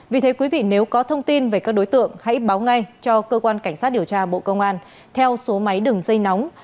vì thế quý vị nếu có thông tin về các đối tượng hãy báo ngay cho cơ quan cảnh sát điều tra bộ công an theo số máy đừng dây nóng sáu mươi chín hai trăm ba mươi bốn năm nghìn tám trăm sáu mươi